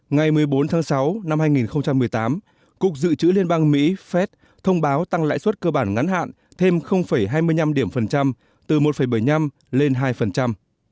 ngày một mươi bốn tháng sáu năm hai nghìn một mươi tám cục dự trữ liên bang mỹ phép thông báo tăng lãi suất cơ bản ngắn hạn thêm hai mươi năm điểm phần trăm từ một bảy mươi năm lên hai